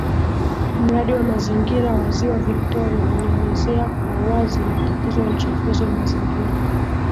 Mradi wa Mazingira wa Ziwa Victoria ulielezea kwa uwazi matatizo ya uchafuzi wa mazingira